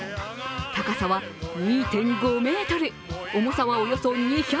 高さは２．５ｍ、重さはおよそ２００ｋｇ。